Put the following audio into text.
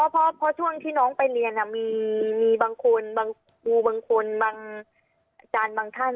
เพราะช่วงที่น้องไปเรียนมีบางคนบางครูบางคนบางอาจารย์บางท่าน